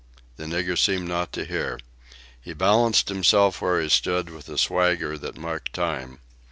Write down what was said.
The nigger seemed not to hear. He balanced himself where he stood in a swagger that marked time.